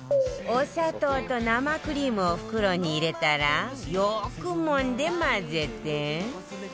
お砂糖と生クリームを袋に入れたらよくもんで混ぜて